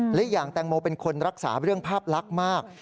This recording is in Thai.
และอีกอย่างแตงโมเป็นคนรักษาเรื่องภาพลักษณ์มาก